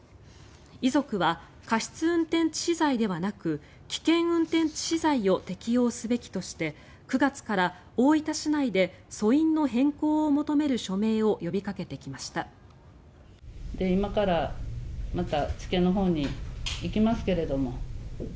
遺族は過失運転致死罪ではなく危険運転致死罪を適用すべきとして９月から大分市内で訴因の変更を求める署名を呼びかけてきました。